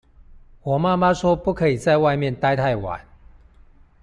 我媽媽說不可以在外面待太晚